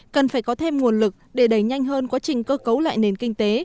cần phải có thêm nguồn lực để đẩy nhanh hơn quá trình cơ cấu lại nền kinh tế